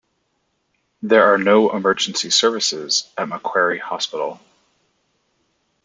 There are no emergency services at Macquarie Hospital.